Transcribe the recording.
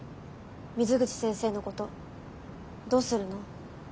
水口先生のことどうするの？